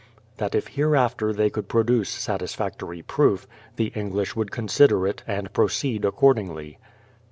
That if hereafter they could produce satisfactory proof, the English would consider it, and proceed accordingly.